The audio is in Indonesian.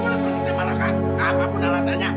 pokoknya kamu gak boleh pergi sama raka apapun rasanya